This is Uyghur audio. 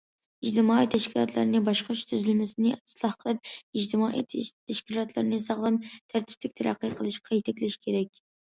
ئىجتىمائىي تەشكىلاتلارنى باشقۇرۇش تۈزۈلمىسىنى ئىسلاھ قىلىپ، ئىجتىمائىي تەشكىلاتلارنى ساغلام، تەرتىپلىك تەرەققىي قىلىشقا يېتەكلەش كېرەك.